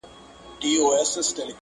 بلل کیږي چي مرغان زه یې پاچا یم -